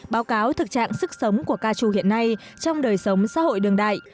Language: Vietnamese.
báo cáo thực trạng sức sống của ca trù hiện nay trong đời sống xã hội đường đại